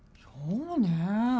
そうね。